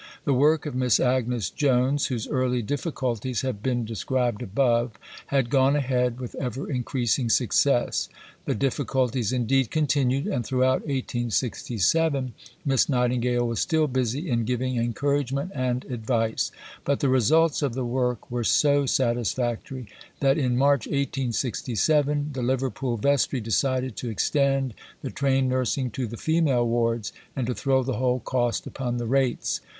The work of Miss Agnes Jones, whose early difficulties have been described above, had gone ahead with ever increasing success. The difficulties indeed continued, and throughout 1867 Miss Nightingale was still busy in giving encouragement and advice; but the results of the work were so satisfactory that in March 1867 the Liverpool Vestry decided to extend the trained nursing to the female wards and to throw the whole cost upon the rates.